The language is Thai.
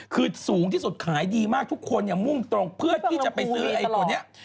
คือสูงที่สุดขายดีมากทุกคนเนี่ยมุ่งตรงเพื่อที่จะไปซื้อไอ้ตัวนี้